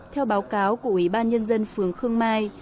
theo báo cáo của ủy ban nhân dân phường khương mai